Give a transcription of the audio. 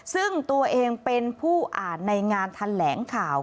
ซึ่งตัวเองเป็นผู้อ่านในงานแถลงข่าว